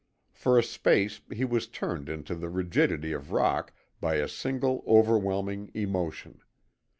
For a space he was turned into the rigidity of rock by a single overwhelming emotion.